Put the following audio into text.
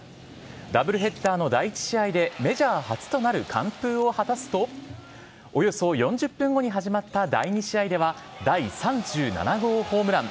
ダブルヘッダーの第１試合で、メジャー初となる完封を果たすと、およそ４０分後に始まった第２試合では、第３７号ホームラン。